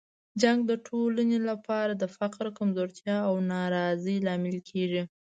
جنګ د ټولنې لپاره د فقر، کمزورتیا او ناراضۍ لامل کیږي.